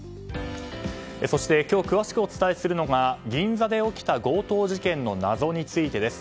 そして今日詳しくお伝えしるのが銀座で起きた強盗事件の謎についてです。